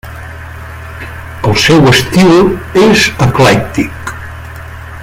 El seu estil és eclèctic.